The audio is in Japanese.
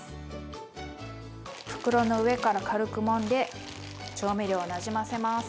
袋の上から軽くもんで調味料をなじませます。